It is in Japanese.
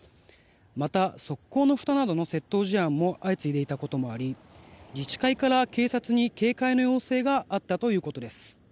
また、側溝の下などの窃盗事案も相次いでいたこともあり自治会から警察に警戒の要請があったということです。